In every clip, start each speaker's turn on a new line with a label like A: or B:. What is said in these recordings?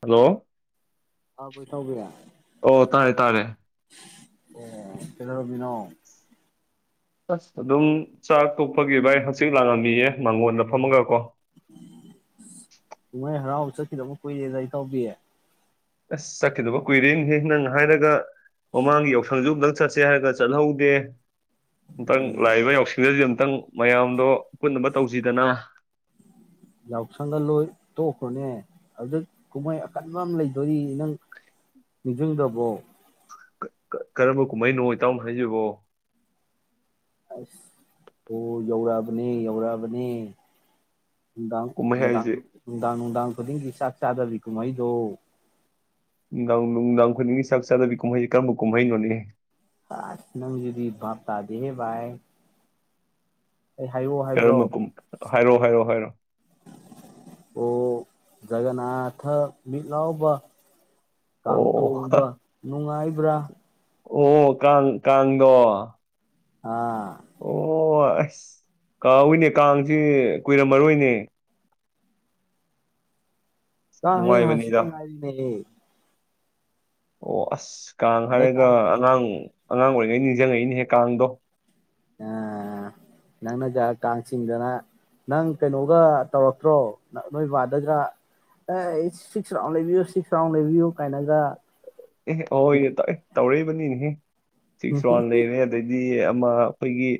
A: hello
B: ꯑꯥ-ꯋꯥꯏꯊꯧꯒꯤꯔꯥ
A: ꯑꯣ ꯇꯥꯌꯦ ꯇꯥꯔꯦ
B: ꯑꯣ ꯀꯩꯗꯧꯔꯝꯃꯤꯅꯣ
A: ꯑꯁ ꯑꯗꯨꯝ ꯆꯥꯛ ꯇꯣꯛꯄꯒꯤ ꯚꯥꯏ ꯍꯆꯤꯛ ꯂꯥꯡꯉꯝꯃꯤꯌꯦ ꯃꯥꯡꯉꯣꯟꯗ ꯐꯝꯃꯒ
B: ꯀꯨꯝꯃꯩ ꯍꯔꯥꯎ ꯆꯠꯈꯤꯗꯕ ꯀꯨꯏꯔꯦꯗꯥ ꯏꯇꯥꯎꯕꯤ
A: ꯑꯁ ꯆꯠꯈꯤꯗꯕ ꯀꯨꯏꯔꯦꯅꯤꯍꯦ ꯅꯪ ꯍꯥꯏꯔꯒ ꯃꯃꯥꯡꯒꯤ ꯌꯥꯎꯁꯪꯖꯗ ꯆꯠꯁꯦ ꯍꯥꯏꯔꯒ ꯆꯠꯍꯧꯗꯦ ꯑꯨꯛꯇꯪ ꯂꯥꯛꯏꯕ ꯌꯥꯎꯁꯤꯡꯪꯗꯁꯨ ꯑꯨꯛꯇꯪ ꯃꯌꯥꯝꯗꯣ ꯄꯨꯠꯅꯕ ꯇꯧꯁꯤꯗꯅ
B: ꯌꯥꯎꯁꯪꯒ ꯂꯣꯏ ꯇꯣꯛꯈ꯭ꯔꯣꯅꯦ ꯑꯗꯨꯗ ꯀꯨꯝꯍꯩ ꯑꯀꯟꯕ ꯑꯃ ꯂꯩꯗꯣꯔꯤ ꯅꯪ ꯅꯤꯡꯁꯤꯡꯗꯕꯣ
A: ꯀꯔꯝꯕ ꯀꯨꯝꯍꯩꯅꯣ ꯏꯇꯥꯎꯅ ꯍꯥꯏꯖꯔꯤꯕꯣ
B: ꯑꯁ ꯑꯣ ꯌꯧꯔꯛꯑꯕꯅꯦ ꯌꯧꯔꯛꯑꯕꯅꯦ
A: ꯀꯨꯝꯍꯩ ꯍꯥꯏꯁꯦ
B: ꯎꯗꯥꯗꯥꯅꯗꯥ ꯈꯨꯗꯤꯡꯒꯤ ꯆꯥꯛ ꯆꯥꯗꯕꯤ ꯀꯨꯝꯍꯩꯗꯣ
A: ꯅꯨꯡꯗꯥꯡ ꯅꯨꯡꯗꯥꯡ ꯈꯨꯗꯤꯡꯒꯤ ꯆꯥꯛ ꯆꯥꯗꯕꯤ ꯀꯨꯝꯍꯩꯁꯦ ꯀꯔꯝꯕ ꯀꯨꯝꯍꯩꯩꯅꯣꯅꯦ
B: ꯑ ꯅꯪꯗꯤ ꯞ ꯇꯗꯤꯍꯦꯚꯥꯏ ꯑꯩ ꯍꯥꯏꯌꯛꯑꯣ ꯍꯥꯏꯕ꯭ꯔꯣ
A: ꯍꯥꯏꯔꯣꯑꯣ ꯍꯥꯏꯔꯣꯑꯣ ꯍꯥꯏꯔꯣꯑꯣ
B: ꯑꯣ ꯒꯅꯥꯊ ꯃꯤ ꯂꯥꯎꯑꯣꯕ
A: ꯑꯣ
B: ꯀꯥꯡꯇꯣꯛꯎꯕ ꯅꯨꯡꯉꯥꯏꯕ꯭ꯔꯥ
A: ꯑꯣ ꯀꯥꯡ ꯀꯥꯡꯗꯣ
B: ꯑꯥ
A: ꯑꯣ ꯑꯁ ꯀꯥ ꯍꯏꯅꯦ ꯀꯥꯡꯁꯤ ꯀꯨꯏꯔꯝꯃꯔꯣꯏꯅꯦ
B: ꯀ ꯍ ꯍꯥꯁꯤ
A: ꯅꯨꯡꯉꯥꯏꯕꯅꯤꯗ
B: ꯇꯪ ꯉꯥꯏꯅꯦ
A: ꯑꯣ ꯑꯁ ꯀꯥꯡ
B: ꯍꯟꯗꯛ
A: ꯍꯥꯏꯔꯒ
B: ꯀꯥꯡ
A: ꯑꯉꯥꯡ ꯑꯉꯥꯡ ꯑꯣꯏꯔꯤꯉꯩ ꯅꯤꯡꯁꯤꯡꯉꯛꯏꯅꯦꯍꯦꯛ ꯀꯥꯡꯗꯣ
B: ꯅꯪꯅꯒ ꯀꯥꯡ ꯆꯤꯡꯗꯅ ꯅꯪ ꯀꯩꯅꯣꯒ ꯇꯧꯔꯛꯇ꯭ꯔꯣ ꯅꯣꯏꯕꯥꯗꯒ ꯑꯦ ꯁꯤꯛꯁ ꯔꯥꯎꯟ ꯂꯩꯕꯤꯌꯨ ꯁꯤꯛꯁ ꯔꯥꯎꯟ ꯂꯩꯕꯤꯌꯨ ꯀꯥꯏꯅꯒ
A: ꯑꯣꯏ ꯌꯦ ꯇ ꯇꯧꯔꯛꯏꯕꯅꯤꯅꯦꯍ ꯁꯤꯛꯁ ꯋꯥꯟ ꯂꯩꯅꯦ ꯑꯗꯨꯗꯤ ꯑꯩꯈꯣꯏꯒꯤ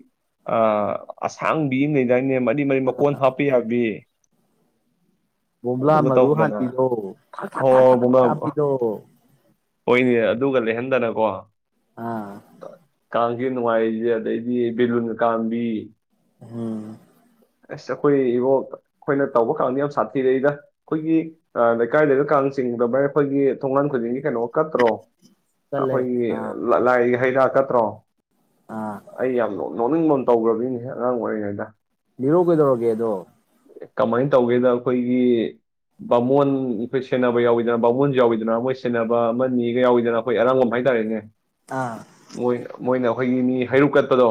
A: ꯑꯁꯥꯡꯕꯤ ꯑꯃ ꯂꯩꯗꯥꯅꯦ ꯃꯔꯤ ꯃꯀꯣꯟ ꯍꯥꯞꯄ ꯌꯥꯕꯤ
B: ꯣꯕꯂꯥ
A: ꯑꯗꯨꯒ
B: ꯃꯔꯨ
A: ꯇꯧꯗꯅ
B: ꯍꯥꯄꯤꯗꯣ ꯊ ꯊ ꯊ
A: ꯍꯣꯏ
B: ꯊ ꯆꯥ
A: ꯍꯣꯏ
B: ꯄꯤꯗꯣ
A: ꯍꯗꯅꯀꯣ ꯀꯝ ꯅꯨꯡꯉꯥꯏꯔꯤꯁꯦ ꯑꯗꯩꯗꯤ ꯕꯦꯂꯨꯟ ꯀꯥꯝꯕꯤ
B: ꯎꯝ
A: ꯑꯁ ꯑꯩꯈꯣꯏ ꯏꯕꯣ ꯑꯩꯈꯣꯏꯅ ꯇꯧꯕ ꯀꯥꯡꯗ ꯌꯥꯝ ꯁꯥꯊꯤꯔꯛꯏꯗ ꯑꯩꯈꯣꯏꯒꯤ ꯂꯩꯀꯥꯏ ꯂꯩꯕ ꯀꯥꯡ ꯆꯤꯡꯗ ꯃꯔꯅ ꯑꯩꯈꯣꯏꯒꯤ ꯊꯣꯡꯒꯥꯟ ꯈꯨꯗꯤꯡꯒꯤ ꯀꯩꯅꯣ ꯀꯠꯇ꯭ꯔꯣ
B: ꯆꯠꯂꯦ
A: ꯑꯩꯈꯣꯏꯒꯤ
B: ꯑꯥ
A: ꯂꯥꯏ ꯍꯩꯗꯥꯛ ꯀꯠꯇ꯭ꯔꯣ
B: ꯑꯥ
A: ꯑꯩ ꯌꯥꯝ ꯅꯅꯤꯡ ꯇꯧꯒꯔꯕꯒꯤꯅꯤꯅꯦ ꯑꯉꯥꯡ ꯑꯣꯏꯔꯤꯉꯩꯗ
B: ꯂꯤꯔꯣ ꯀꯩꯗꯧꯔꯒꯦꯗꯣ
A: ꯀꯃꯥꯏꯅ ꯇꯧꯒꯦꯗ ꯑꯩꯈꯣꯏꯒꯤ ꯕꯥꯃꯣꯟ ꯑꯩꯈꯣꯏ ꯁꯦꯟꯅꯕ ꯌꯥꯎꯋꯗꯅ ꯕꯥꯃꯣꯟꯖꯨ ꯌꯥꯎꯋꯤꯗꯅ ꯃꯣꯏ ꯁꯦꯟꯅꯕ ꯑꯃ ꯅꯤꯒ ꯌꯥꯎꯋꯗꯅ ꯑꯩꯈꯣꯏ ꯑꯔꯥꯡꯕꯝ ꯍꯥꯏꯇꯥꯔꯦꯅꯦ
B: ꯑꯥ
A: ꯃꯣꯏ ꯃꯣꯏꯅ ꯑꯩꯈꯣꯏꯒꯤ ꯃꯤ ꯍꯩꯔꯨꯛ ꯀꯠꯄꯗꯣ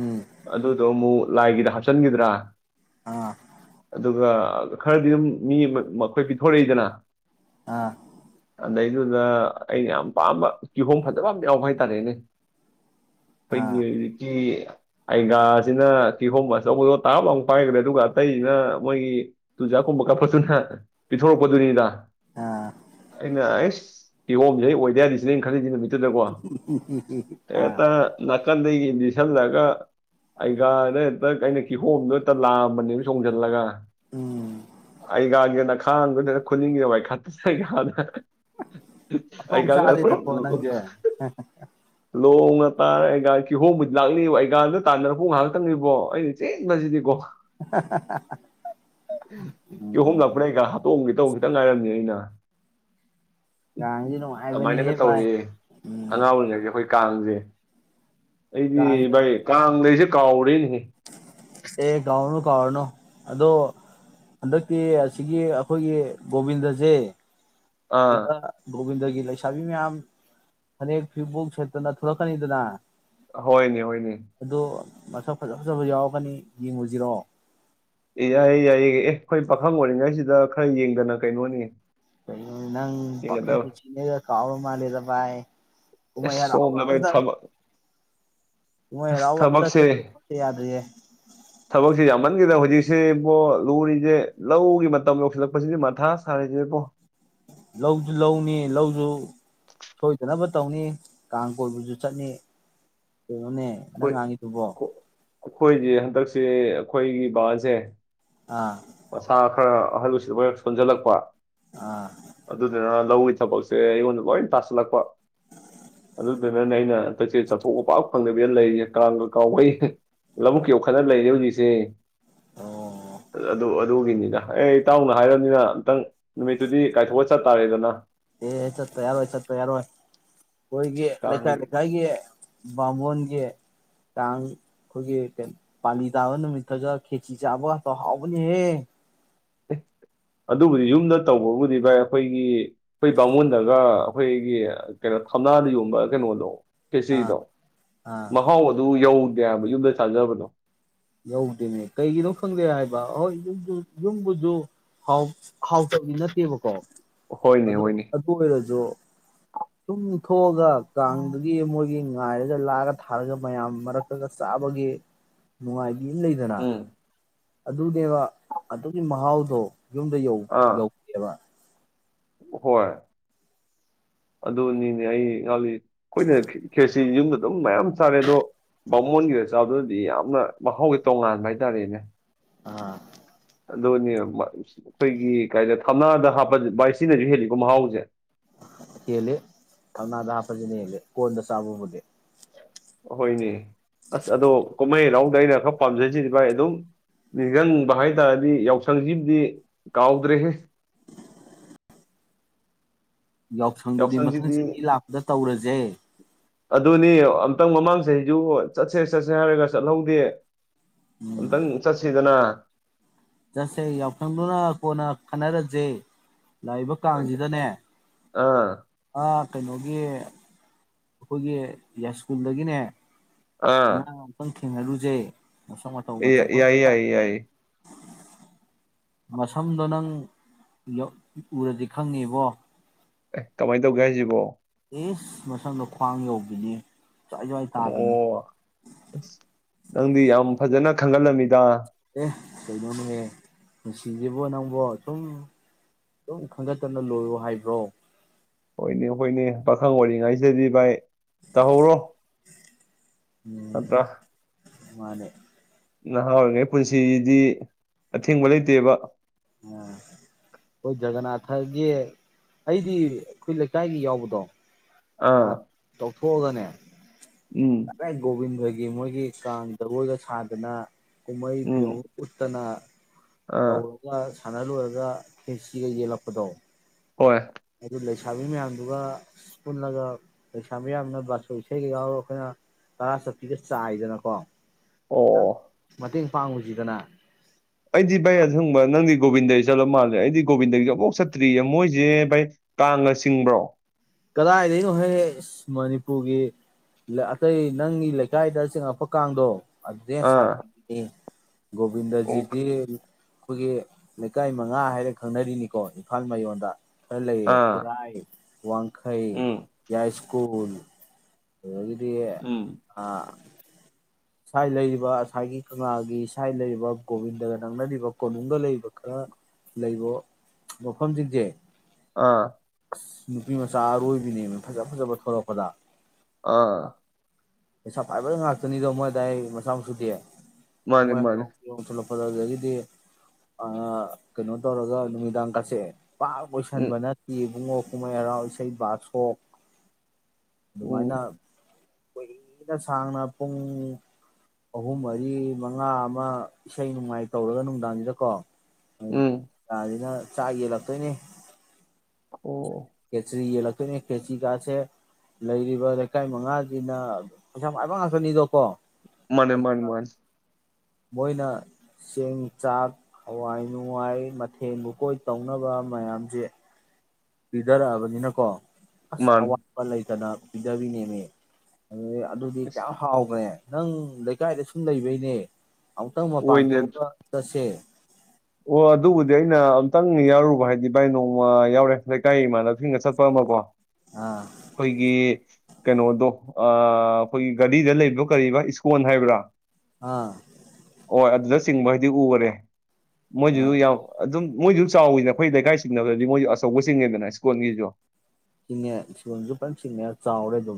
B: ꯎꯝ
A: ꯑꯗꯨꯗꯣ ꯃꯨ ꯂꯥꯏꯒꯤꯗ ꯆꯟꯒꯤꯗ꯭ꯔꯥ
B: ꯑꯥ
A: ꯑꯗꯨꯒ ꯈꯔꯗꯤ ꯑꯗꯨꯝ ꯃꯤ ꯃ ꯃꯈꯣꯏ ꯄꯤꯊꯣꯔꯛꯏꯗꯅ
B: ꯑꯥ
A: ꯑꯗꯩꯗꯨꯗ ꯑꯩꯅ ꯌꯥꯝ ꯄꯥꯝꯕ ꯀꯤꯍꯣꯡꯝ ꯐꯖꯕ ꯑꯃ ꯌꯥꯎꯕ ꯍꯥꯏꯇꯥꯔꯦꯅꯦ ꯄꯩꯒꯤ
B: ꯑꯥ
A: ꯍꯧꯖꯤꯛꯀꯤ ꯑꯩꯒꯥꯁꯤꯅ ꯀꯤꯍꯣꯡꯕ ꯑꯆꯧꯕꯗꯣ ꯇꯥꯕ ꯂꯥꯎ ꯄꯥꯏꯈ꯭ꯔꯦ ꯑꯗꯨꯒ ꯑꯇꯩꯁꯤꯅ ꯃꯣꯏꯒꯤ ꯆꯨꯖꯥꯛꯀꯨꯝꯕ ꯀꯥꯞꯄꯁꯨꯅ ꯄꯤꯊꯣꯔꯛꯄꯗꯨꯅꯤꯗ
B: ꯑꯥ
A: ꯑꯩꯅ ꯑꯥꯁ ꯀꯤꯍꯣꯝꯁꯦ ꯑꯩ ꯑꯣꯏꯗ ꯌꯥꯗꯤꯁꯤꯅꯦ ꯑꯩꯅ ꯈꯜꯂꯤꯖꯤ ꯅꯨꯃꯤꯠ ꯀꯣ
B: ꯑꯥ
A: ꯍꯦꯇ ꯀꯟꯗꯒꯤ ꯏꯟꯗꯤꯁꯜꯂꯛꯑꯒ ꯑꯩꯒꯅꯦ ꯇꯛ ꯑꯩꯅ ꯀꯤꯍꯣꯝꯗꯣ ꯍꯛꯇ ꯂꯥꯝꯕꯅꯦꯕ ꯆꯣꯡꯖꯜꯂꯒ
B: ꯎꯝ
A: ꯑꯩꯒꯒꯦꯅꯛ ꯈꯥꯡꯕꯗꯅ ꯈꯨꯅꯤꯡꯒꯤꯗ ꯋꯥꯏꯈꯥꯇ ꯁꯗꯅ
B: ꯃꯊꯣꯡ ꯆꯥꯗꯦꯗꯀꯣ ꯅꯪꯖꯦ
A: ꯂꯣꯡꯅ ꯇꯥꯔ ꯑꯩꯒ ꯀꯤꯍꯣꯝꯕꯨꯗꯤ ꯂꯥꯛꯂꯤꯕ ꯑꯩꯒꯥꯟꯗꯨꯅ ꯇꯥꯟꯅꯔꯛꯄꯨ ꯉꯥꯏꯍꯥꯛꯇꯪꯅꯤꯕꯣ ꯑꯩꯅ ꯆꯦꯟꯕꯁꯤꯗꯤꯀꯣ ꯀꯤꯍꯣꯝ ꯂꯥꯛꯄꯅꯦ ꯑꯩꯒ ꯍꯥꯠꯇꯣ ꯇꯧꯗꯪ ꯉꯥꯏꯔꯝꯅꯦ ꯑꯩꯅ
B: ꯀꯥꯡꯗꯤ ꯅꯨꯡꯉꯥꯏꯕꯅꯤ ꯍꯦ
A: ꯑꯗꯨꯃꯥꯏꯅꯒ
B: ꯚꯥꯏ ꯎꯝ
A: ꯀꯥꯡꯖꯦ ꯑꯩꯗꯤ
B: ꯀꯥꯡꯗ
A: ꯚꯥꯏ ꯀꯥꯡꯗꯩꯁꯦ ꯀꯥꯥꯎꯔꯦꯅꯤꯍꯦ
B: ꯑꯦ ꯀꯥꯎꯔꯅꯨ ꯀꯥꯎꯔꯅꯨ ꯑꯗꯣ ꯍꯟꯗꯛꯇꯤ ꯑꯁꯤꯒꯤ ꯑꯩꯈꯣꯏꯒꯤ ꯒꯣꯕꯤꯟꯗꯁꯦ
A: ꯑꯥ
B: ꯁꯤꯗ ꯒꯣꯕꯤꯟꯒ ꯒꯤꯔꯤ ꯂꯩꯁꯥꯕꯤ ꯃꯌꯥꯝ ꯐꯅꯦꯛ ꯐꯤꯕꯣꯛ ꯁꯦꯠꯇꯅ ꯊꯣꯛꯂꯛꯀꯅꯤꯗꯅ
A: ꯍꯣꯏꯅꯦ ꯍꯣꯏꯅꯦ
B: ꯑꯗꯨ ꯃꯁꯛ ꯐꯖ ꯐꯖꯕ ꯌꯥꯎꯔꯛꯀꯅꯤ ꯌꯦꯡꯉꯨꯖꯤꯔꯣ
A: ꯑꯦ ꯌꯥꯏꯌꯦ ꯌꯥꯏꯌꯦ ꯑꯦ ꯑꯩꯈꯣꯏ ꯄꯥꯈꯪ ꯑꯣꯏꯔꯤꯉꯩꯁꯤꯗ ꯈꯔ ꯌꯦꯡꯗꯅ ꯀꯩꯅꯣꯅꯤ
B: ꯀ ꯅꯪ ꯄꯀꯝ
A: ꯌꯦꯡꯒꯗꯕ
B: ꯄꯨꯁꯤꯅꯦ ꯀꯥꯎ ꯃꯥ ꯂꯩꯦꯗ ꯄꯥꯏ ꯀꯨꯃ
A: ꯑꯁ
B: ꯌꯥꯔ ꯑ
A: ꯁꯣꯝꯗ ꯚꯥꯏ
B: ꯑꯗ
A: ꯊꯕꯛ
B: ꯀꯨꯃ ꯌꯥꯔ
A: ꯑꯁ
B: ꯑꯎ ꯑꯗ
A: ꯊꯕꯛꯁꯦ
B: ꯆ ꯀꯁꯦ ꯌꯥꯗꯌꯦ
A: ꯃꯟꯒꯤꯗ ꯍꯧꯖꯤꯛꯁꯤ ꯏꯕꯣ ꯂꯨꯔꯤꯁꯦ ꯂꯧꯒꯤ ꯃꯇꯝ ꯌꯧꯁꯤꯜꯂꯛꯄꯁꯤꯗꯤ ꯃꯊꯥ ꯁꯥꯔꯤꯁꯤꯦꯕꯣ
B: ꯂꯧꯁꯨ ꯂꯧꯅꯤ ꯂꯧꯁꯨ ꯁꯣꯏꯗꯅꯕ ꯇꯧꯅꯤ ꯀꯥꯡ ꯀꯣꯏꯕꯁꯨ ꯆꯠꯅꯤ ꯀꯩꯅꯣꯅꯦ ꯅꯪ
A: ꯑꯩꯈꯣꯏ
B: ꯉꯥꯡꯉꯤꯗꯨꯕꯣ
A: ꯀꯣ- ꯑꯩꯈꯣꯏꯁꯦ ꯍꯟꯗꯛꯁꯦ ꯑꯩꯈꯣꯏꯒꯤ ꯕꯥꯁꯦ
B: ꯑꯥ
A: ꯃꯁꯥ ꯈꯔ ꯑꯍꯜꯁꯤꯗ ꯑꯣꯏꯔꯛ ꯁꯣꯟꯖꯜꯂꯛꯄ
B: ꯑꯥ
A: ꯑꯗꯨꯗꯨꯅ ꯂꯧꯏ ꯊꯕꯛꯁꯦ ꯑꯩꯉꯣꯟꯗ ꯂꯣꯏꯅ ꯇꯁꯤꯜꯂꯛꯄ ꯑꯗꯨꯗꯨꯅꯅꯦ ꯑꯩꯅ ꯍꯟꯇꯛꯁꯦ ꯆꯠꯊꯣꯛ ꯃꯄꯥꯡ ꯐꯪꯗꯕꯤꯗ ꯂꯩꯔꯤꯦ ꯀꯥꯡꯒ ꯀꯥꯎꯕꯩ ꯂꯧꯕꯨꯛꯀꯤ ꯌꯣꯛꯈꯠꯅ ꯂꯩꯔꯦ ꯍꯧꯖꯤꯛꯁꯦ
B: ꯑꯣ
A: ꯑꯗꯨ ꯑꯗꯨꯒꯤꯅꯤꯗ ꯑꯦ ꯏꯇꯥꯎꯅ ꯍꯥꯏꯔꯕꯅꯤꯅ ꯑꯝꯇꯪ ꯅꯨꯃꯤꯠꯇꯨꯗꯤ ꯀꯥꯏꯊꯣꯛꯑ ꯆꯠꯇꯥꯥꯔꯦꯗꯅ
B: ꯑꯦ ꯆꯠꯠꯇꯄ ꯌꯥꯔꯣꯏ ꯑꯣꯏ ꯆꯠꯠꯇ ꯌꯥꯔꯣꯏ ꯑꯣꯏ ꯍꯣꯏꯒꯤ
A: ꯀꯥꯡ
B: ꯂꯩꯀꯥꯏ ꯂꯩꯦꯈꯥꯏꯒꯤ ꯕꯥꯃꯣꯟꯒꯤ ꯀꯥꯡ ꯑꯩꯈꯣꯏꯒꯤꯣ ꯄꯥꯂꯤ ꯇꯥꯕ ꯅꯨꯃꯤꯠꯇꯒ ꯈꯦꯆꯤ ꯆꯥꯕ ꯉꯥꯛꯇ ꯍꯥꯎꯕꯅꯤꯍꯦ
A: ꯑꯗꯨꯕꯨꯗꯤ ꯌꯨꯝꯗ ꯇꯧꯕꯕꯨꯗꯤ ꯚꯥꯏ ꯑꯩꯈꯣꯏꯒꯤ ꯑꯩꯈꯣꯏ ꯄꯕꯥꯉꯣꯟꯗꯒ ꯑꯩꯈꯣꯏꯒꯤ ꯀꯩꯅꯣ ꯊꯝꯂꯗ ꯌꯣꯟꯕ ꯀꯩꯅꯣꯗꯣ
B: ꯑꯥ
A: ꯐꯦꯁꯤꯗꯣ
B: ꯑꯥ
A: ꯃꯍꯥꯎ ꯑꯗꯨ ꯌꯧ ꯀꯌꯥꯕ ꯌꯨꯝꯗ ꯁꯥꯥꯖꯕꯅꯣ
B: ꯌꯧꯗꯦꯅꯦ ꯀꯩꯒꯤꯅꯣ ꯈꯪꯗꯦ ꯍꯥꯏꯕ ꯑꯩꯣꯏ ꯌꯨꯝ ꯌꯨꯝꯕꯨꯁꯨꯥꯎ ꯍꯥꯎꯇꯕꯒꯤ ꯅꯠꯇꯦꯕꯀꯣ ꯑꯣ
A: ꯍꯣꯏꯅꯦ
B: ꯑꯗꯨ
A: ꯍꯣꯏꯅꯦ
B: ꯑꯣꯏꯔꯁꯨ ꯁꯨꯝ ꯊꯣꯛꯑꯒ ꯀꯥꯡꯗꯒꯤ ꯃꯣꯏꯒꯤ ꯉꯥꯏꯔꯒ ꯂꯥꯛꯑꯒ ꯊꯥꯔꯒ ꯃꯌꯥꯝ ꯃꯔꯛꯇꯒ ꯆꯥꯕꯒꯤ ꯅ ꯀ ꯂꯩꯗꯅ
A: ꯎꯝ
B: ꯑꯗꯨꯅꯦꯕ ꯑꯗꯨꯒꯤ ꯃꯍꯥꯎꯗꯣ ꯌꯨꯝꯗ ꯌ
A: ꯑꯥ
B: ꯌꯧꯗꯦꯕ
A: ꯍꯣꯏ ꯑꯗꯨꯅꯤꯅꯦ ꯑꯩ ꯉꯥꯜꯂꯤ ꯑꯩꯈꯣꯏꯅ ꯈꯦꯁꯤ ꯌꯨꯝꯗ ꯑꯗꯨꯝ ꯃꯌꯥꯝ ꯆꯥꯔꯦ ꯑꯗꯣ ꯕꯥꯃꯣꯟꯒꯤꯔ ꯆꯥꯕꯗꯗꯤ ꯌꯥꯝꯅ ꯃꯍꯥꯎꯒꯤ ꯇꯣꯉꯥꯟꯕ ꯍꯥꯏꯇꯥꯥꯔꯦꯅꯦ
B: ꯑ
A: ꯑꯗꯨꯅꯦ ꯑꯩꯈꯣꯏꯒꯤ ꯀꯥꯏꯗ ꯊꯝꯅꯥꯗ ꯍꯥꯞꯄ ꯕꯥꯥꯏ ꯁꯤꯅꯁꯨ ꯍꯦꯜꯂꯤꯀꯣ ꯃꯍꯥꯎꯁꯦ
B: ꯍꯦꯜꯂꯦ ꯊꯧꯅꯥꯗ ꯍꯥꯞꯄꯖꯅ ꯍꯦꯜꯂꯦ ꯀꯣꯟꯗ ꯆꯥꯕꯕꯨꯗꯦ
A: ꯑꯍꯣꯏꯅꯦ ꯑꯁ ꯑꯗꯣ ꯀꯨꯝꯍꯩ ꯍꯔꯥꯎꯗ ꯑꯩꯅ ꯈꯔ ꯄꯥꯝꯖꯁꯤꯗꯤ ꯚꯥꯏ ꯑꯗꯨꯝ ꯅꯤꯡꯁꯤꯡꯕ ꯍꯥꯏ ꯇꯥꯔꯗꯤ ꯌꯥꯎꯁꯪꯁꯤꯕꯨꯗꯤ ꯀꯥꯎꯗ꯭ꯔꯦ
B: ꯌꯥꯎꯁꯪꯗꯨꯗꯤ ꯃꯊꯪ ꯆꯍꯤ ꯂꯥꯛꯄꯗ ꯇꯧꯔꯁꯦ
A: ꯑꯃꯇꯪ ꯃꯃꯥꯡ ꯆꯍꯤꯁꯨ ꯆꯠꯁꯦ ꯆꯠꯁꯦ ꯍꯥꯏꯔꯒ ꯆꯠꯍꯧꯗꯦ ꯑꯝꯇꯪ ꯆꯠꯁꯤꯗꯅ
B: ꯆꯁꯦ ꯌꯥꯎꯁꯪꯗꯨꯅ ꯀꯣꯟꯅ ꯈꯟꯅꯔꯁꯦ ꯂꯥꯛꯏꯕ ꯀꯥꯡꯁꯤꯗꯅꯦ
A: ꯑꯥ
B: ꯀꯩꯅꯣꯒꯤ ꯑꯩꯈꯣꯏꯒꯤ ꯌꯥꯏꯁꯀꯨꯜꯗꯒꯤꯅꯦ ꯑ
A: ꯑꯥ
B: ꯊꯦꯡꯅꯜꯔꯨꯁꯦ ꯑꯁ ꯃ ꯇ ꯎꯕ
A: ꯌꯥꯏꯌꯦ
B: ꯆꯪꯄꯣꯟꯒ ꯆꯅꯤ
A: ꯌꯥꯏꯌꯦ ꯌꯥꯏꯌꯦ
B: ꯃꯁꯝꯗꯣ ꯅꯪ ꯎꯔꯗꯤ ꯈꯪꯉꯤꯕꯣ
A: ꯑꯦ ꯀꯃꯥꯏꯅ ꯇꯧꯒꯦ ꯍꯥꯏꯁꯤꯕꯣ
B: ꯑꯦ ꯃꯁꯪꯅꯣ ꯈ꯭ꯋꯥꯡ ꯌꯧꯕꯤꯅꯤ ꯖ꯭ꯋꯥꯏ ꯖ꯭ꯋꯥꯏ ꯇꯥꯕꯤꯅꯤ
A: ꯑꯣ ꯅꯪꯗꯤ ꯌꯥꯝ ꯐꯖꯅ ꯈꯪꯒꯜꯂꯝꯃꯤꯗ
B: ꯀꯩꯩꯅꯣꯅꯦꯍ ꯅꯨꯡꯁꯤꯁꯤꯕꯨ ꯅꯪꯕꯨ ꯁꯨꯝ ꯁꯝ ꯈꯟꯒꯠꯇꯅ ꯂꯣꯏꯔꯣ ꯍꯥꯏꯕ꯭ꯔꯣ
A: ꯍꯣꯏꯅꯦ ꯍꯣꯏꯅꯦ ꯄꯥꯈꯪ ꯑꯣꯏꯔꯤꯉꯩꯁꯤꯗꯤ ꯚꯥꯏ ꯇꯧꯍꯧꯔꯣ ꯇꯠꯇ꯭ꯔ
B: ꯃꯥꯅꯦꯦ
A: ꯅꯍꯥ ꯑꯣꯏꯔꯤꯉꯩ ꯄꯨꯟꯁꯤꯗꯤ ꯑꯊꯤꯡꯕ ꯂꯩꯇꯦꯕ
B: ꯑꯥ ꯍꯣꯏ ꯖꯒꯅꯥꯊꯒꯦ ꯑꯩꯗꯤ ꯑꯩꯈꯣꯏ ꯂꯩꯀꯥꯏꯒꯤ ꯌꯥꯎꯕꯗꯣ ꯑ
A: ꯑꯥ
B: ꯇ ꯊꯣꯛꯒꯅꯦ
A: ꯎꯝ
B: ꯇꯔꯦꯒꯕꯤꯗ ꯍ ꯑꯗꯒꯤ ꯃꯣꯏꯒꯤ ꯀꯥꯡ ꯖꯒꯣꯏꯒ ꯁꯥꯗꯅ ꯀꯨꯝꯍꯩ ꯐꯤꯣꯡ
A: ꯎꯝ
B: ꯎꯠꯇꯅ
A: ꯑꯥ
B: ꯇꯧꯔꯒ ꯁꯥꯟꯅ ꯂꯣꯏꯨꯔꯒ ꯐꯦꯛꯁꯤꯒ ꯌꯦꯜꯂꯛꯄꯗꯣ
A: ꯍꯣꯏ
B: ꯑꯗꯨ ꯂꯩꯁꯥꯕꯤ ꯃꯌꯥꯝꯗꯨꯒ ꯄꯨꯜꯂꯒ ꯂꯩꯁꯥꯕꯤ ꯃꯌꯥꯝꯅ ꯕꯥꯁꯨꯣꯏ ꯏꯁꯩꯒ ꯌꯥꯎꯔꯒ ꯑꯩꯈꯣꯏꯅ ꯇꯔꯥ ꯁꯠꯄꯤꯒ ꯆꯥꯏꯗꯅꯀꯣ ꯆ
A: ꯑꯣ
B: ꯃꯗꯤ ꯄꯥꯥꯡꯂꯨꯁꯤꯗꯅ
A: ꯑꯩꯗꯤ ꯚꯩ ꯑꯊꯪꯕ ꯅꯪꯗꯤ ꯒꯣꯕꯤꯟꯗꯗꯒꯤ ꯆꯠꯂ ꯃꯥꯜꯂꯦ ꯑꯩꯗꯤ ꯒꯣꯕꯤꯟꯗꯒꯤꯁ ꯑꯃꯨꯛ ꯆꯠꯇ꯭ꯔꯤꯌꯦ ꯃꯣꯏꯁꯦ ꯚꯥꯏ ꯀꯥꯡꯉꯥ ꯆꯤꯡꯕ꯭ꯔꯣ
B: ꯀꯗꯥꯏꯗꯒꯤꯅꯣ ꯍ ꯃꯅꯤꯄꯨꯔꯒꯤ ꯑꯇꯩ ꯅꯪꯒꯤ ꯂꯩꯀꯥꯏꯗ ꯆꯤꯡꯉꯛꯄ ꯀꯥꯡꯗꯣ ꯑꯗꯨꯦ ꯁꯥꯠ
A: ꯑꯥ ꯑꯣ
B: ꯣꯕꯤꯗꯖꯤꯗꯤ ꯑꯩꯈꯣꯏꯒꯤ ꯂꯩꯀꯥꯏ ꯃꯉꯥ ꯍꯥꯏꯔꯒ ꯈꯪꯅꯔꯤꯅꯤꯀꯣ ꯏꯝꯐꯥꯜ ꯃꯌꯣꯟꯗ ꯈꯔ ꯂꯩꯌꯦ
A: ꯑꯥ
B: ꯈꯨꯔꯥꯏ ꯋꯥꯡ ꯍꯩ
A: ꯎꯝ
B: ꯌꯥꯏ ꯁ꯭ꯀꯨꯜ ꯑꯣ
A: ꯎꯝ
B: ꯑꯥ ꯁꯋꯥꯏ ꯂꯩꯔꯤꯕ ꯉꯁꯥꯏꯒꯤ ꯀꯪꯂꯥꯒꯤ ꯁ꯭ꯋꯥꯥꯏ ꯂꯩꯔꯤꯕ ꯒꯣꯕꯤꯟꯗꯒ ꯅꯪꯅꯔꯤꯕ ꯀꯣꯅꯨꯡꯒ ꯂꯩꯔꯤꯕ ꯈꯔ ꯂꯩꯕ ꯃꯐꯝꯁꯤꯡꯁꯦ
A: ꯑꯥ
B: ꯅꯨꯄꯤ ꯃꯆꯥ ꯑꯔꯣꯏꯕꯤꯅꯦꯕ ꯐꯖ ꯐꯖꯕ ꯊꯂꯛꯄꯗ
A: ꯑꯥ
B: ꯄꯩꯁꯥ ꯄꯥꯏꯕꯗ ꯉꯥꯛꯇꯅꯤꯗꯣ ꯃꯣꯏꯗ ꯑꯩ ꯃꯁꯥ ꯃꯁꯨꯗꯦꯦ
A: ꯃꯥꯅꯦ ꯃꯥꯅꯦ
B: ꯁꯥꯏ ꯐꯗꯒꯤꯗꯤ ꯀꯩꯅꯣ ꯇꯧꯔꯒ ꯅꯨꯃꯤꯗꯥꯡ ꯀꯠꯁꯛꯑꯦ ꯄꯥꯛ
A: ꯎꯝ
B: ꯂꯣꯏꯁꯟꯕ ꯅꯠꯇꯦ ꯏꯕꯨꯡꯉꯣ ꯃꯔꯥꯎꯁꯕꯥꯁ ꯍꯛ ꯑꯗꯨꯃꯥꯏꯅ
A: ꯎꯝ
B: ꯀꯨꯏꯅ ꯁꯥꯡꯅ ꯄꯨꯡ ꯑꯍꯨꯝ ꯃꯔꯤ ꯃꯉꯥ ꯑꯃ ꯏꯁꯩ ꯅꯅꯨꯡꯃꯥꯏ ꯇꯧꯔꯒ ꯅꯨꯡꯗꯥꯡꯁꯤꯗꯀꯣ ꯍ
A: ꯎꯝ
B: ꯀꯥꯗꯅ ꯆꯥꯛ ꯌꯦꯜꯂꯛꯇꯣꯏꯅꯦ
A: ꯑꯣ
B: ꯀꯦꯆꯔꯤ ꯌꯦꯂ ꯑꯩꯈꯣꯏꯅꯦ ꯈꯦꯆꯤ ꯀꯥꯁꯦ ꯂꯩꯔꯤꯕ ꯂꯩꯀꯥꯏ ꯃꯉꯥꯁꯤꯅ ꯄꯩꯁꯥ ꯃꯥꯏꯕꯥꯛ ꯉꯥꯛꯇꯅꯤꯗꯣꯀꯣ
A: ꯃꯥꯅꯦ
B: ꯑꯗꯨ
A: ꯃꯥꯅꯤ ꯃꯥ
B: ꯃꯣꯏꯅ ꯆꯦꯡ ꯆꯥꯛ ꯍꯋꯥꯏ ꯅꯨꯡꯉꯏ ꯃꯊꯦꯜ ꯃꯨꯀꯣꯏ ꯇꯧꯅꯕ ꯃꯌꯥꯝꯁꯦ ꯄꯤꯗꯔꯑꯕꯅꯤꯅꯀꯣ ꯑꯁ
A: ꯃꯥꯅꯦ
B: ꯑꯋꯥ ꯇꯅꯥ ꯄꯤꯗꯕꯤꯅꯦꯃꯦ ꯑꯗꯨꯗꯤ ꯑꯗꯨꯗꯤ
A: ꯏꯁ
B: ꯀꯌꯥꯝ ꯍꯥꯎꯈ꯭ꯔꯦ ꯅꯪ ꯂꯩꯀꯥꯏꯗ ꯁꯨꯝ ꯂꯩꯕꯩꯅꯦ ꯑꯃꯨꯛꯇꯪ ꯃꯄꯥꯟ
A: ꯑꯣꯏꯅꯦ
B: ꯊꯣꯛꯑꯒ ꯆꯠꯁꯦ
A: ꯑꯣ ꯑꯗꯨꯕꯨꯗꯤ ꯑꯩꯅ ꯑꯝꯇꯪ ꯌꯥꯎꯔꯨꯕ ꯍꯥꯏꯗꯤ ꯚꯥꯏ ꯅꯣꯡꯃ ꯌꯥꯎꯔꯦ ꯂꯩꯀꯥꯏ ꯏꯃꯥꯟꯅꯕꯁꯤꯡꯒ ꯆꯠꯄ ꯑꯃꯀꯣ
B: ꯑꯥ
A: ꯑꯩꯈꯣꯏꯒꯤ ꯀꯩꯅꯣꯗꯣ ꯑ ꯑꯩꯈꯣꯏꯒꯤ ꯒꯥꯔꯤꯗ ꯂꯩꯔꯤꯕꯕ ꯀꯕꯥ ꯏꯁꯀꯣꯟ ꯍꯥꯏꯕ꯭ꯔꯥ
B: ꯍꯥꯥ
A: ꯍꯣꯏ ꯑꯗꯨꯗ ꯆꯤꯡꯕ ꯍꯥꯏꯗꯤ ꯎꯈꯔꯦ ꯃꯣꯏꯁꯨꯁꯨ
B: ꯑꯥ
A: ꯌꯥꯎ ꯑꯗꯨꯝ ꯃꯣꯏꯁꯨ ꯆꯥꯎꯋꯤꯅ ꯑꯩꯈꯣꯏ ꯂꯩꯀꯥꯏ ꯆꯤꯡꯅꯕꯗꯗꯤ ꯃꯣꯏꯁꯨ ꯑꯆꯧꯕ ꯆꯤꯡꯉꯦꯗꯅ ꯏꯁꯀꯣꯟꯒꯤꯁꯨ
B: ꯆꯤꯡ ꯁꯤꯖ ꯆꯤꯡ ꯆ ꯑꯗꯨ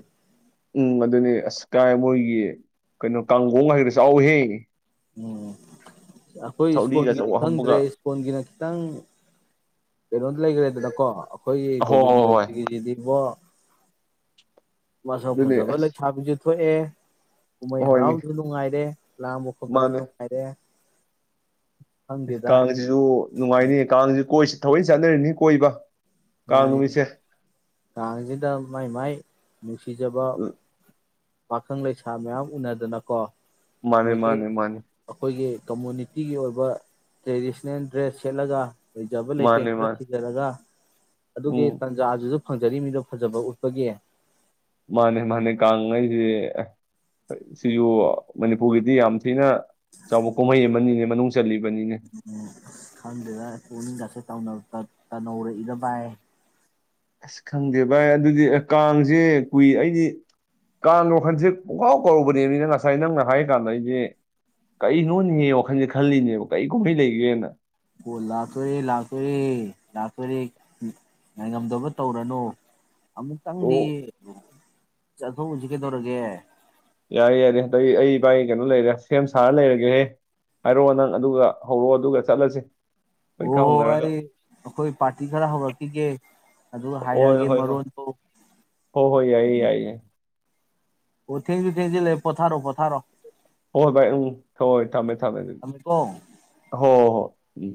A: ꯎꯝ ꯑꯗꯨꯅꯤ ꯑꯁ ꯀꯥꯏ ꯃꯣꯏꯒꯤ ꯀꯩꯅꯣ ꯀꯥꯡꯈꯣꯡ ꯍꯥꯏꯒ꯭ꯔꯥ ꯆꯥꯎꯍꯦ
B: ꯎꯝ ꯑꯩꯈꯣꯏ
A: ꯊꯧꯔꯤꯒ
B: ꯁ꯭ꯀꯨꯜꯒꯤꯗꯤ
A: ꯑꯆꯧꯕ
B: ꯈꯪꯗ꯭ꯔꯦ
A: ꯍꯥꯞꯄꯒ
B: ꯏꯁ꯭ꯀꯨꯜꯒꯤꯅ ꯈꯤꯇꯪ ꯀꯩꯅꯣ ꯂꯩꯈ꯭ꯔꯦꯗꯅꯀꯣ ꯑꯩꯈꯣꯏꯒꯤ
A: ꯍꯣꯏ ꯍꯣꯏ ꯍꯣꯏ
B: ꯒꯣꯕꯤꯟꯗꯖꯤꯁꯤꯗꯤꯕꯣ ꯃ ꯁ ꯐꯖ
A: ꯑꯗꯨꯅꯦ
B: ꯂꯩ
A: ꯑꯁ
B: ꯈꯥꯕꯤ ꯊꯣꯛꯑꯦ ꯀꯨꯝꯍꯩ
A: ꯍꯣꯏꯅꯦ
B: ꯍꯔꯥꯎꯗꯨꯁꯨ ꯅꯨꯡꯉꯥꯏꯔꯦ ꯂꯥꯡ
A: ꯃꯥꯅꯦ
B: ꯐꯥꯏꯔꯦ
A: ꯀꯥꯡꯁꯤꯁꯨ ꯅꯨꯡꯉꯥꯏꯅꯤ ꯀꯥꯡꯁꯤꯁꯨ ꯀꯣꯏꯁꯤ ꯊꯧꯏ ꯆꯠꯅꯔꯤꯅꯤ ꯀꯣꯏꯕ ꯀꯥꯡ
B: ꯃꯥꯅꯤ
A: ꯅꯨꯃꯤꯠꯁꯦ
B: ꯇꯥꯡꯁꯦꯗ ꯃꯥꯏ ꯃꯥꯏ ꯅꯨꯡꯁꯤꯖꯕ
A: ꯎ
B: ꯄꯥꯈꯪ ꯂꯩꯁꯥ ꯃꯌꯥꯝ ꯎꯅꯗꯅ ꯀꯣ
A: ꯃꯥꯅꯦ ꯃꯥꯅꯦ ꯃꯥꯅꯦ
B: ꯀꯝꯃꯨꯅꯤꯇꯤꯒꯤ ꯑꯣꯏꯕ ꯇ꯭ꯔꯦꯗꯤꯁꯟꯅꯜ ꯗ꯭ꯔꯦꯁ ꯁꯦꯠꯂꯒ ꯂꯩꯖꯕ ꯂꯩꯇꯦꯡ
A: ꯃꯥꯅꯦ
B: ꯈꯔ
A: ꯃꯥꯅꯦ
B: ꯁꯤꯖꯔꯒ ꯑꯗꯨꯒꯤ
A: ꯎꯝ
B: ꯇꯟꯖꯥ ꯑꯗꯨꯁꯨ ꯐꯪꯖꯔꯤ ꯃꯤꯗꯣ ꯐꯖꯕ ꯎꯠꯄꯒꯤ
A: ꯃꯥꯅꯦ ꯃꯥꯅꯦ ꯀꯥꯡꯉꯩꯁꯦ ꯁꯤꯁꯨ ꯃꯅꯤꯄꯨꯔꯒꯤꯗꯤ ꯌꯥꯝ ꯊꯤꯅ ꯆꯥꯎꯕ ꯀꯨꯝꯍꯩꯌꯦ ꯃꯅꯤꯅꯦ ꯃꯅꯨꯡ ꯆꯜꯂꯤ
B: ꯎꯝ ꯈꯪꯗꯦꯗ ꯎꯅꯤ ꯗ ꯇꯅꯧꯔꯛꯏꯔ ꯕꯥꯏ
A: ꯑꯁ ꯈꯪꯗꯦ ꯚꯥꯏ ꯑꯗꯨꯗꯤ ꯑꯦ ꯀꯥꯡꯁꯦ ꯀꯨꯏ ꯑꯩꯗꯤ ꯀꯥꯡ ꯋꯥꯈꯜꯁꯦ ꯄꯨꯡꯀꯥꯎ ꯀꯧꯔꯕꯅꯦꯕꯅꯤꯅ ꯉꯁꯥꯏ ꯅꯪꯅ ꯍꯥꯏ ꯀꯥꯟꯗ ꯑꯩꯁꯦ ꯀꯔꯤ ꯅꯣꯅꯤꯡꯉꯦ ꯋꯥꯈꯜꯁꯦ ꯈꯜꯂꯤꯅꯦꯕ ꯀꯩ ꯀꯨꯝꯍꯩ ꯂꯩꯒꯦꯅ
B: ꯑꯣ ꯂꯥꯛꯇꯣꯏꯔꯦ ꯂꯥꯛꯇꯣꯏꯔꯦ ꯂꯥꯛꯇꯣꯏꯔꯦ ꯉꯥꯏꯉꯝꯗꯕ ꯇꯧꯔꯅꯨ ꯑꯃꯨꯛꯇꯪꯗꯤ
A: ꯑꯣ
B: ꯆꯥꯛꯊꯣꯛ ꯍꯧꯁꯤ ꯀꯩꯗꯧꯔꯒꯦ
A: ꯌꯥꯔꯦ ꯌꯥꯏꯔꯦ ꯑꯗꯗꯒꯤ ꯑꯩ ꯏꯕꯥꯒꯤ ꯀꯩꯅꯣ ꯂꯩꯔꯦ ꯁꯦꯝ ꯁꯥꯔ ꯂꯩꯔꯒꯦꯍꯦ ꯍꯥꯏꯔꯛꯑꯣ ꯅꯪ ꯑꯗꯨꯒ ꯍꯧꯔꯛꯑꯣ ꯑꯗꯨꯒ ꯆꯠꯂꯁꯤ
B: ꯍꯣꯏ ꯍꯣꯏ ꯑꯩ ꯑꯩꯈꯣꯏ ꯄꯥꯔꯇꯤ ꯈꯔ ꯍꯧꯔꯛꯈꯤꯒꯦ ꯑꯗꯨꯒ
A: ꯍꯣꯏ
B: ꯍꯥꯏꯔꯛꯑꯒꯦ
A: ꯍꯣꯏ ꯍꯣꯏ
B: ꯃꯔꯣꯟꯗꯣ
A: ꯍꯣꯏ ꯍꯣꯏ ꯌꯥꯏꯌꯦ
B: ꯎꯝ
A: ꯌꯥꯏꯌꯦ
B: ꯑꯣ ꯊꯦꯡꯁꯤ ꯊꯦꯡꯁꯤ ꯂꯩ ꯄꯊꯔꯣ ꯄꯊꯔ
A: ꯍꯣꯏ ꯥꯏ ꯎꯝ ꯊꯣꯏ ꯊꯥꯡꯃꯦ ꯊꯃꯦ ꯊ
B: ꯊꯝꯃꯦꯀꯣ
A: ꯍꯣ ꯍꯣ ꯎ